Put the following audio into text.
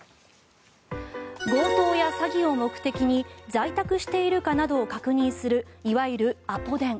強盗や詐欺を目的に在宅しているかなどを確認するいわゆるアポ電。